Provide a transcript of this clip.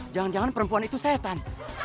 jangan jangan perempuan itu setan